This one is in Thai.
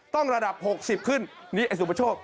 ต้องระดับ๖๐ขึ้นนี่ไอ้สุประโชค